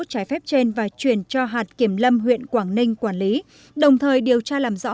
trái phép trên và chuyển cho hạt kiểm lâm huyện quảng ninh quản lý đồng thời điều tra làm rõ